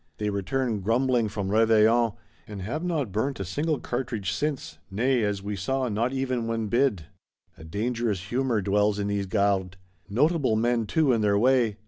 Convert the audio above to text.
They returned grumbling from Réveillon's; and have not burnt a single cartridge since; nay, as we saw, not even when bid. A dangerous humour dwells in these Gardes. Notable men too, in their way!